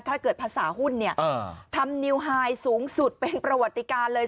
ถ้าเกิดภาษาหุ้นเนี่ยทำนิวไฮสูงสุดเป็นประวัติการเลย